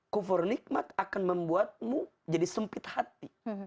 kufur nikmat akan membuatmu jadi sempit hati